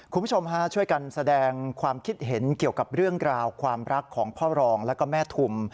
คุณผู้ชมฮะช่วยกันแสดงความคิดเห็นเกี่ยวกับเรื่องราวความรักของพ่อรองแล้วก็แม่ทุม